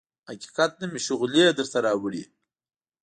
حقیقت نه مې شغلې درته راوړي